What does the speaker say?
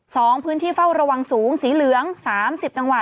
สองพื้นที่เฝ้าระวังสูงสีเหลืองสามสิบจังหวัด